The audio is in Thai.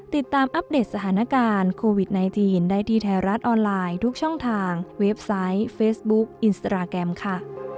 อัปเดตสถานการณ์โควิด๑๙ได้ที่ไทยรัฐออนไลน์ทุกช่องทางเว็บไซต์เฟซบุ๊คอินสตราแกรมค่ะ